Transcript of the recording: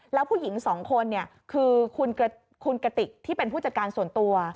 แล้วผู้หญิงสองคนคือคุณกติกที่เป็นผู้จัดการส่วนตัว